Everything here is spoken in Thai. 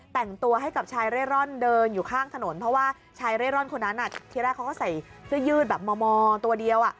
แต่งตัวให้กับชายเร่ร่อนเดินอยู่ข้างถนนเพราะว่าชายเร่ร่อนคนนั้นที่แรกเขาก็ใส่เสื้อยืดแบบมอตัวเดียว